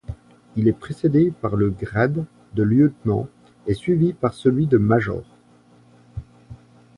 Il est précédé par le grade de lieutenant et suivi par celui de major.